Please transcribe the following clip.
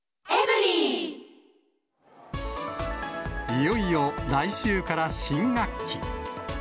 いよいよ来週から新学期。